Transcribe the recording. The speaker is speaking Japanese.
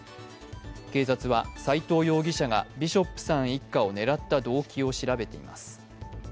警察は斉藤容疑者がビショップさん一家を狙った動機を調べています。